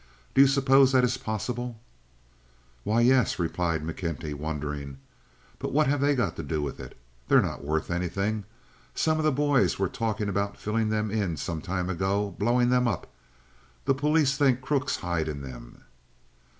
Do you suppose that is possible?" "Why, yes," replied McKenty, wondering; "but what have they got to do with it? They're not worth anything. Some of the boys were talking about filling them in some time ago—blowing them up. The police think crooks hide in them."